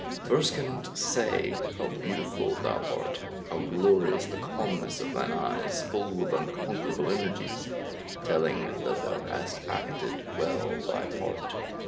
Verse cannot say how beautiful thou art, How glorious the calmness of thine eyes, Full of unconquerable energies, Telling that thou hast acted well thy part.